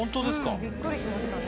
うん。びっくりしましたね。